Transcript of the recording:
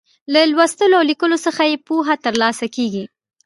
له لوستلو او ليکلو څخه يې پوهه تر لاسه کیږي.